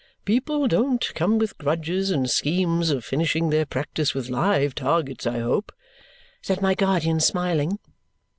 "People don't come with grudges and schemes of finishing their practice with live targets, I hope?" said my guardian, smiling.